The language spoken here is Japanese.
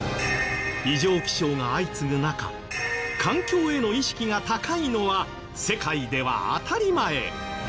異常気象が相次ぐ中環境への意識が高いのは世界では当たり前。